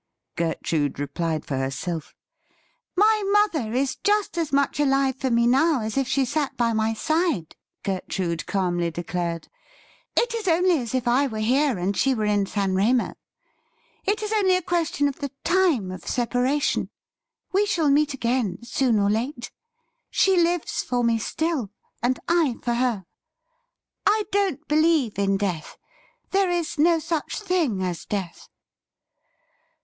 Gertrude replied for herself. ' My mother is just as much alive for me now as if she sat by my side,' Gertrude calmly declared. ' It is only as if I were here and she were in San Remo. It is only a question of the time of separation ; we shall meet again soon or late. She lives for me still, and I for her. I don't believe in death. There is no such thing as death